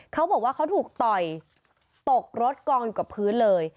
เขาบอกว่าเขาถูกต่อยตกรถกองอยู่กับพื้นเลย